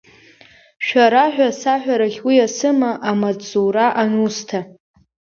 Шәара ҳәа саҳәарахь уиасыма, амаҵзура анусҭа?